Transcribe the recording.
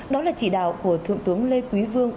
đó là chỉ đạo của thượng tướng lê quý vương